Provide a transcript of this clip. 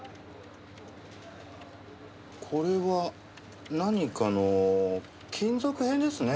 これは何かの金属片ですね。